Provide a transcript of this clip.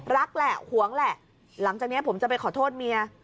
แหละหวงแหละหลังจากนี้ผมจะไปขอโทษเมีย